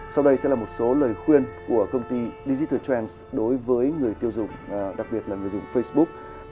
sau đây sẽ là một số lời khuyên của công ty digital trends đối với người tiêu dùng đặc biệt là người dùng facebook